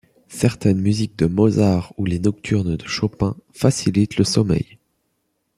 Certaines musiques de Mozart ou les Nocturnes de Chopin facilitent le sommeil.